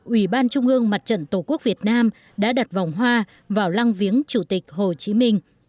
ubnd mặt trận tổ quốc việt nam đã đặt vòng hoa vào lăng viếng chủ tịch hồ chí minh